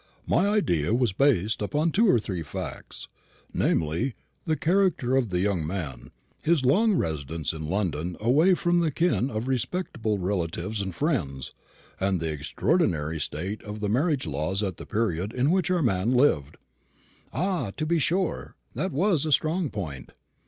My idea was based upon two or three facts, namely, the character of the young man, his long residence in London away from the ken of respectable relatives and friends, and the extraordinary state of the marriage laws at the period in which our man lived." "Ah, to be sure! That was a strong point."